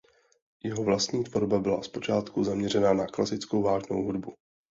Jeho vlastní tvorba byla zpočátku zaměřena na klasickou vážnou hudbu.